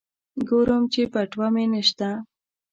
ګورم چې بټوه مې نشته.